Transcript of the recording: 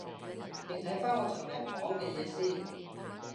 你睇返我尋日講嘅嘢先